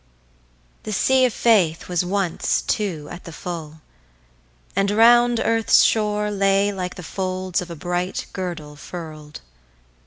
The sea of faithWas once, too, at the full, and round earth's shoreLay like the folds of a bright girdle furl'd.